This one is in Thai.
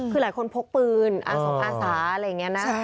คือหลายคนพกปืนอาสงอาสาอะไรอย่างนี้นะ